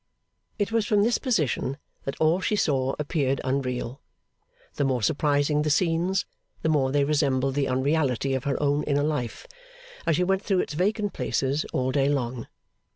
It was from this position that all she saw appeared unreal; the more surprising the scenes, the more they resembled the unreality of her own inner life as she went through its vacant places all day long.